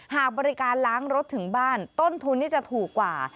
หากบริการล้างรถถึงบ้านต้นทุนนี่จะถูกกว่า